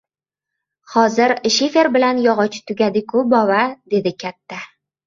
— Hozir shifer bilan yog‘och tugadi-ku, bova, — dedi katta.